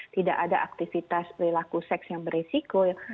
tidak ada aktivitas perilaku seks yang beresiko